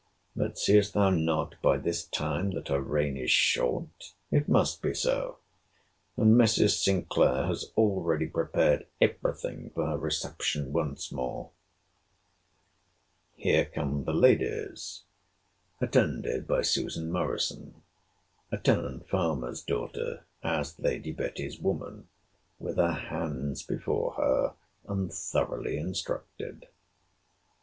But seest thou not, by this time, that her reign is short!—It must be so. And Mrs. Sinclair has already prepared every thing for her reception once more. Here come the ladies—attended by Susan Morrison, a tenant farmer's daughter, as Lady Betty's woman; with her hands before her, and thoroughly instructed.